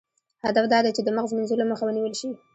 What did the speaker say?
هدف دا دی چې د مغز مینځلو مخه ونیول شي.